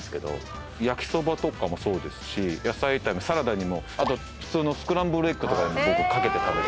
焼きそばとかもそうですし野菜炒めサラダにもあと普通のスクランブルエッグとかにも僕掛けて。